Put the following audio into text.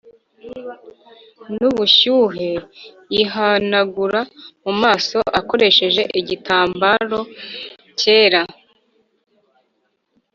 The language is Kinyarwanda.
n'ubushyuhe yihanagura mu maso akoresheje igitamabro kera,